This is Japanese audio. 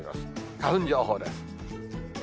花粉情報です。